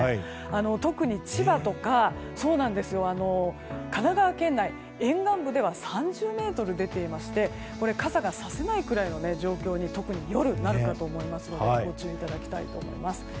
特に千葉とか、神奈川内沿岸部では３０メートル出ていまして傘がさせないような状況に特に夜、なるかと思いますのでご注意いただきたいと思います。